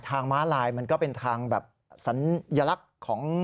ต้องเป็นทางแบบศัลยลักษณ์ของ